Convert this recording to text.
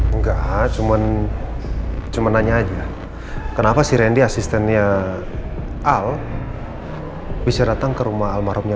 enggak cuman cuma nanya aja kenapa si randy asistennya al bisa datang ke rumah almarhumnya